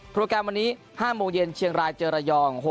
แกรมวันนี้๕โมงเย็นเชียงรายเจอระยอง